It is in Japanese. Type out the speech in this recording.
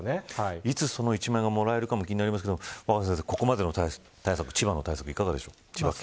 いつその１万円がもらえるかも気になりますが若狭先生、ここまでの千葉県の対策いかがでしょうか。